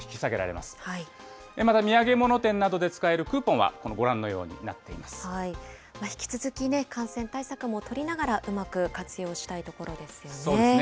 また土産物店などで使えるクーポ引き続きね、感染対策も取りながら、うまく活用したいところですよね。